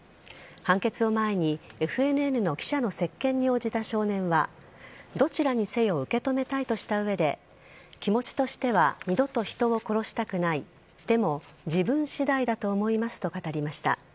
判決を前にＦＮＮの記者の接見に応じた少年はどちらにせよ受け止めたいとした上で気持ちとしては二度と人を殺したくないでも自分次第だと思いますと語りました。